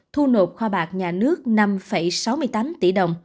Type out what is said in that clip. thu nộp kho bạc nhà nước năm sáu mươi tám tỷ đồng